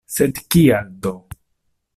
Sed kial do?